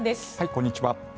こんにちは。